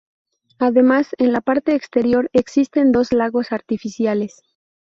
Además, en la parte exterior existen dos lagos artificiales.